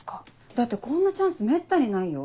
だってこんなチャンスめったにないよ？